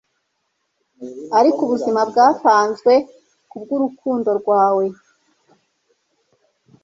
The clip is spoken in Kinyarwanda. ariko ubuzima bwatanzwe kubwurukundo rwawe